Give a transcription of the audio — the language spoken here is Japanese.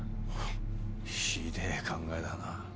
ひでえ考えだな。